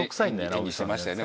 演技してましたよね